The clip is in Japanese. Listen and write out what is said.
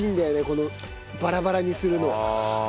このバラバラにするの。